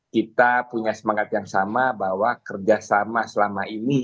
kita punya semangat yang sama bahwa kerjasama selama ini